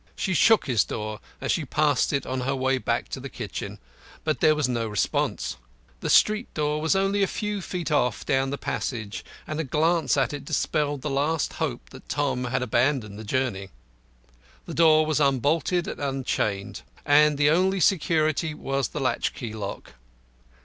She shook his door as she passed it on her way back to the kitchen, but there was no response. The street door was only a few feet off down the passage, and a glance at it dispelled the last hope that Tom had abandoned the journey. The door was unbolted and unchained, and the only security was the latch key lock.